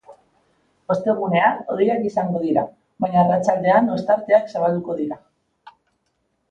Ostegunean hodeiak izango dira, baina arratsaldean ostarteak zabalduko dira.